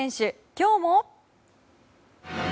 今日も。